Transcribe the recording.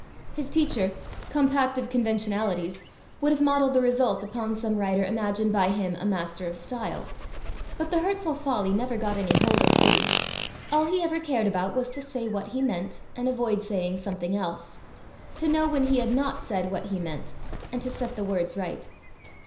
His teacher, compact of conventionalities, would have modelled the result upon some writer imagined by him a master of style; but the hurtful folly never got any hold of Gibbie: all he ever cared about was to say what he meant, and avoid saying something else; to know when he had not said what he meant, and to set the words right.